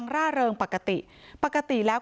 มันมีแม่ด้วย